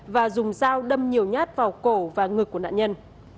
và dùng dao đâm nhiều nhát vào cổ và ngực của nạn nhân